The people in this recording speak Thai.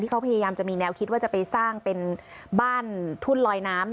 เขาพยายามจะมีแนวคิดว่าจะไปสร้างเป็นบ้านทุ่นลอยน้ำ